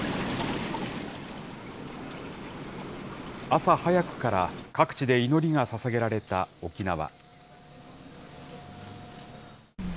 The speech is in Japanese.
朝早くから各地で祈りがささげられた沖縄。